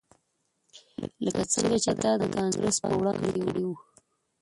لکه څنګه چې تا د کانګرس په وړاندې کړي وو